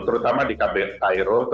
terutama di kbri cairo